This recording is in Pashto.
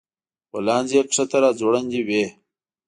غولانځې يې ښکته راځوړندې وې